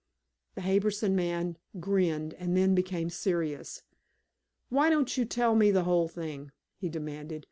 The Harbison man grinned and then became serious. "Why don't you tell me the whole thing?" he demanded.